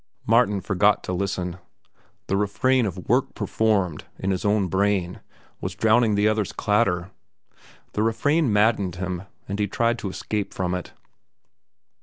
Martin forgot to listen. The refrain of "Work performed," in his own brain, was drowning the other's clatter. The refrain maddened him, and he tried to escape from it.